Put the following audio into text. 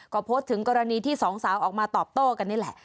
ก็โพสต์ถึงกรณีที่สองสาวออกมาตอบโต้กันนี่แหละ